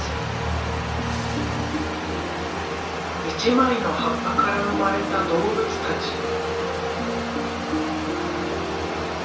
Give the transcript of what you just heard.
一枚の葉っぱから生まれた動物たち。